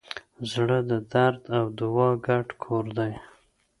زړه د درد او دوا ګډ کور دی.